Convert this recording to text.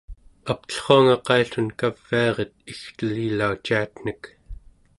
aptellruanga qaillun kaviaret igtelilauciatnek